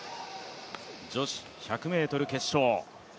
女子１００ｍ決勝。